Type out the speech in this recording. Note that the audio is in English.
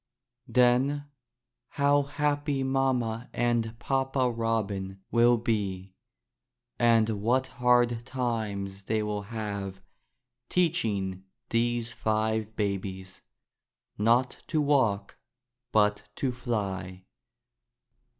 Then, how happy mamma and papa Robin will be! and what hard times they will have teach ing these five babies— not to walk but to fly.